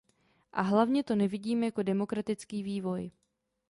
A hlavně to nevidím jako demokratický vývoj.